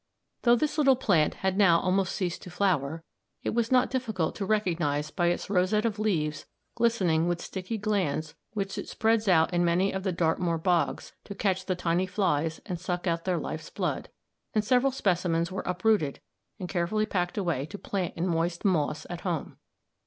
Though this little plant had now almost ceased to flower, it was not difficult to recognise by its rosette of leaves glistening with sticky glands which it spreads out in many of the Dartmoor bogs to catch the tiny flies and suck out their life's blood, and several specimens were uprooted and carefully packed away to plant in moist moss at home.